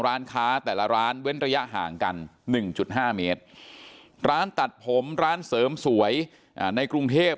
ร้านค้าแต่ละร้านเว้นระยะห่างกัน๑๕เมตรร้านตัดผมร้านเสริมสวยในกรุงเทพ